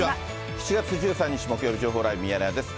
７月１３日木曜日、情報ライブミヤネ屋です。